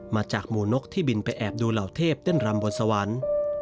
มาจากหมู่นกที่บินไปแอบดูเหล่าเทพเต้นรำบนสวรรค์